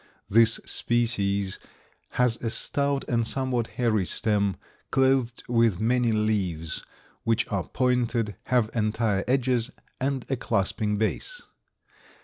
This species has a stout and somewhat hairy stem clothed with many leaves which are pointed, have entire edges and a clasping base.